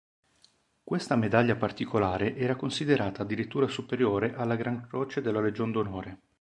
Questa medaglia particolare era considerata addirittura superiore alla Gran croce della Legion d'Onore.